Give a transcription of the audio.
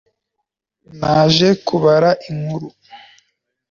naje kubara unkuru